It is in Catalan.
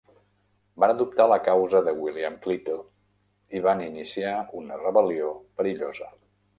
Van adoptar la causa de William Clito i van iniciar una rebel·lió perillosa.